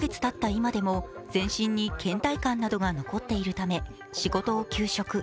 今でも全身にけん怠感などが残っているため仕事を休職。